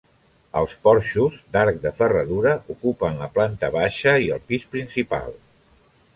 Els porxos, d'arc de ferradura, ocupen la planta baixa i el pis principal.